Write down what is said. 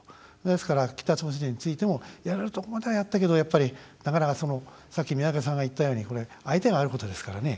ですから、北朝鮮についてもやれるとこまではやったけどやっぱり、なかなかさっき、宮家さんが言ったように相手があることですからね。